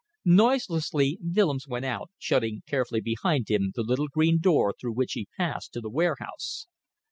Noiselessly Willems went out, shutting carefully behind him the little green door through which he passed to the warehouse.